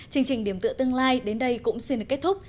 chương trình điểm tựa tương lai đến đây cũng xin được kết thúc